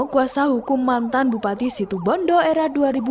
kuasa hukum mantan bupati situbondo era dua ribu lima dua ribu sepuluh